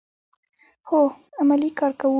هو، عملی کار کوو